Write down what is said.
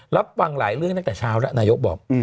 รับวางหลายเรื่องเนี่ยแต่เช้าละนายกบอก